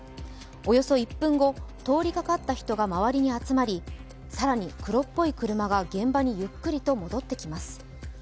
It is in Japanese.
およそ１分後通りかかった人が周りに集まり更に黒っぽい車が現場にゆっくりと戻ってきます。